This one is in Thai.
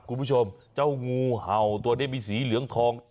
คุณผู้ชมเจ้างูเห่าตัวนี้มีสีเหลืองทอง